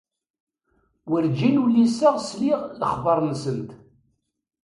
Werǧin uliseɣ sliɣ lexbar-nsent.